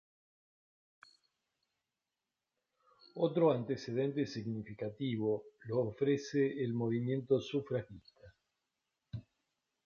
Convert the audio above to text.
Otro antecedente significativo lo ofrece el movimiento sufragista.